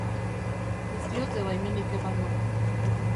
Ez diote baimenik emango.